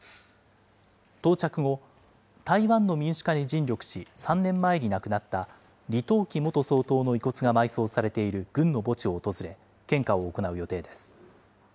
到着後、台湾の民主化に尽力し、３年前に亡くなった李登輝元総統の遺骨が埋葬されている軍の墓地を訪れ、献花を行う予定です。